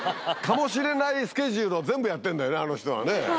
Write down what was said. スケジュールを全部やってるんだよね、あの人はね。